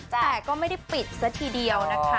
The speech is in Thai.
แต่ก็ไม่ได้ปิดซะทีเดียวนะคะ